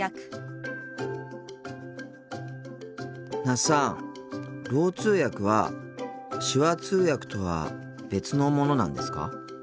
那須さんろう通訳は手話通訳とは別のものなんですか？